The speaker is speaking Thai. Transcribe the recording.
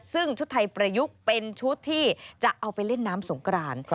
ซึ่งชุดไทยประยุกต์เป็นชุดที่จะเอาไปเล่นน้ำสงกราน